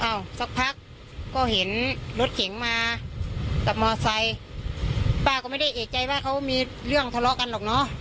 สักพักก็เห็นรถเก๋งมากับมอไซค์ป้าก็ไม่ได้เอกใจว่าเขามีเรื่องทะเลาะกันหรอกเนอะ